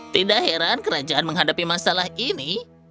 tidak heran kerajaan menghadapi masalah ini